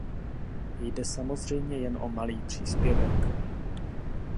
Jde samozřejmě jen o malý příspěvek.